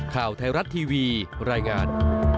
ข่าวไทยรัฐทีวีรายงาน